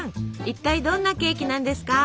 一体どんなケーキなんですか？